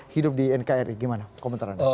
hidup di nkri gimana komentarnya